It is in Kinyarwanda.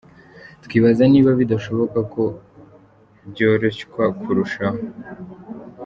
Twibaza niba bidashoboka ko byoroshywa kurushaho.